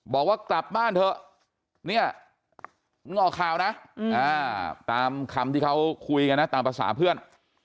บอกว่ากลับบ้านเถอะเนี่ยมึงออกข่าวนะตามคำที่เขาคุยกันนะตามภาษาเพื่อน